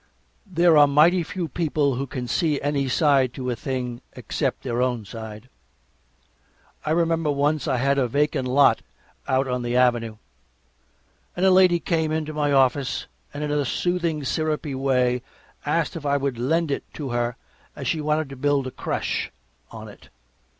There are mighty few people who can see any side to a thing except their own side. I remember once I had a vacant lot out on the Avenue, and a lady came in to my office and in a soothing sirupy way asked if I would lend it to her, as she wanted to build a crèche on it.